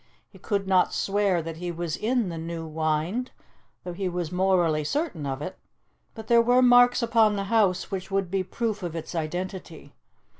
He could not swear that he was in the New Wynd, though he was morally certain of it, but there were marks upon the house which would be proof of its identity.